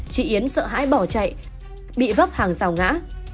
chị yến sợ hãi bỏ chạy bị vấp hàng rào ngã